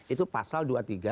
itu pasal dua puluh tiga